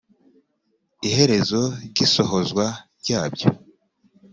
iherezo ry isohozwa ryabyo